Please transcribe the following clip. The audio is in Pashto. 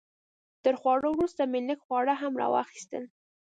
تر خوړو وروسته مې لږ خواږه هم راواخیستل.